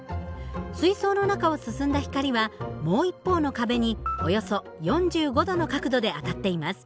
水槽の中を進んだ光はもう一方の壁におよそ４５度の角度で当たっています。